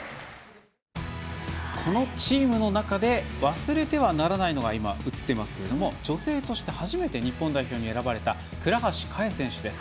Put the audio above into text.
このチームの中で忘れてはならないのが女性として初めて日本代表に選ばれた倉橋香衣選手です。